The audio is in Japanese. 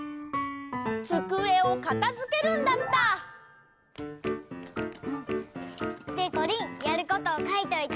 つくえをかたづけるんだった！でこりんやることを書いておいてよかったね！